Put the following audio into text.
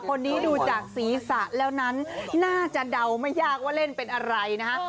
คนนี้ดูจากศีรษะแล้วนั้นน่าจะเดาไม่ยากว่าเล่นเป็นอะไรนะฮะ